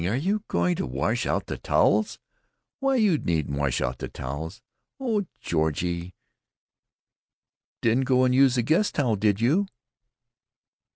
Are you going to wash out the towels? Why, you needn't wash out the towels. Oh, Georgie, you didn't go and use the guest towel, did you?"